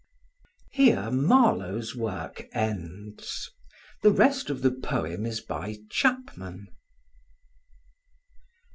Here Marlowe's work ends. The rest of the poem is by Chapman.